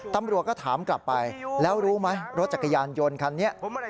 ตำรวจก็ถามกลับไปแล้วรู้ไหมรถจักรยานยนต์คันนี้